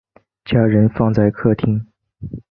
家人放在客厅